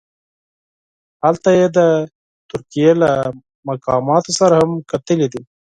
هلته یې د ترکیې له مقاماتو سره هم کتلي وه.